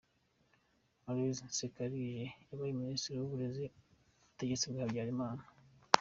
Aloys Nsekarije wabaye Minisitiri w’ uburezi ku butegetsi bwa Habyarimana.